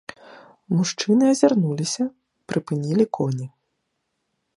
Мужчыны азірнуліся, прыпынілі коні.